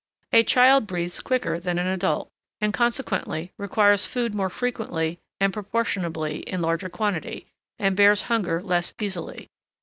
A child breathes quicker than an adult, and, consequently, requires food more frequently and proportionably in larger quantity, and bears hunger less easily.